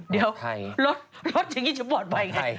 เดี๋ยวรถรถอย่างนี้จะปลอดภัยไง